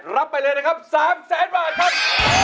รับไปเลยนะครับ๓แสนบาทครับ